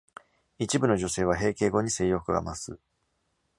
一部の女性は、閉経後に性欲が増す。